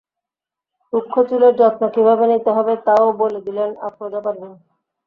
রুক্ষ চুলের যত্ন কীভাবে নিতে হবে তা-ও বলে দিলেন আফরোজা পারভীন।